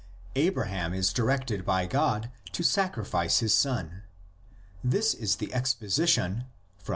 Abraham is directed by God to sacrifice his son; this is the exposition (from xxii.